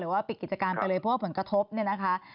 หรือว่าปิดกิจการไปเลยเพราะว่าผลกระทบ